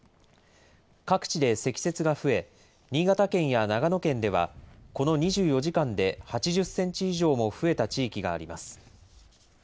各地で積雪が増え、新潟県や長野県では、この２４時間で８０センチ以上も増えた地域があります。